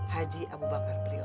haji abu bakar priok